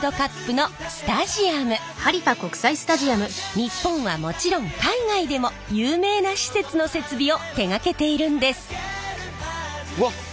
日本はもちろん海外でも有名な施設の設備を手がけているんです。